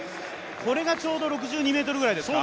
これがちょうど６２ｍぐらいですか。